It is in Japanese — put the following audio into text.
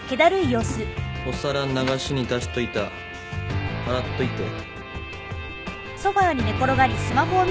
お皿流しに出しといた洗っといて。